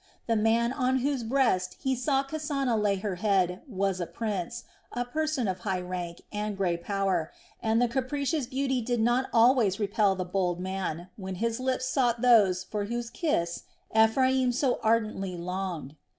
The man on whose breast he saw Kasana lay her head was a prince, a person of high rank and great power, and the capricious beauty did not always repel the bold man, when his lips sought those for whose kiss Ephraim so ardently longed.